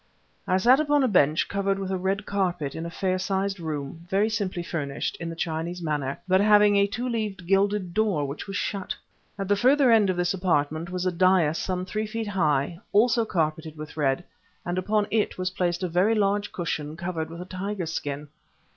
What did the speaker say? I sat upon a bench covered with a red carpet, in a fair sized room, very simply furnished, in the Chinese manner, but having a two leaved, gilded door, which was shut. At the further end of this apartment was a dais some three feet high, also carpeted with red, and upon it was placed a very large cushion covered with a tiger skin.